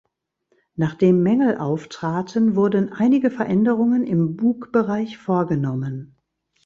Nachdem Mängel auftraten, wurden einige Veränderungen im Bugbereich vorgenommen.